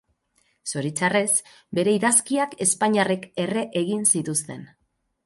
Zoritxarrez, bere idazkiak espainiarrek erre egin zituzten.